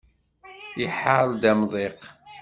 Iḥerr-d amḍiq.